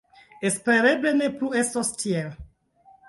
Espereble ne plu estos tiel.